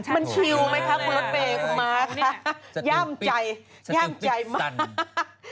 มันชิวไหมคะคุณลดเบรกมาคะย่ามใจย่ามใจมาก